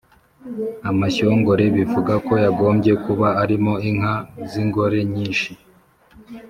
amashyongore bivuga ko yagombye kuba arimo inka z‘ingore nyinshi.